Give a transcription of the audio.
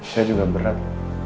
saya juga berat